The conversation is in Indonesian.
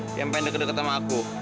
yah yang pengen deket deket sama aku